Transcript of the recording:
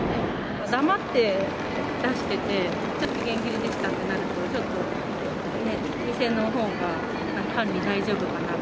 だまって出してて、ちょっと期限切れでしたってなると、ちょっと店のほうが、管理、大丈夫かなと。